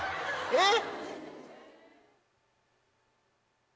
えっ？